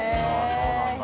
そうなんだ。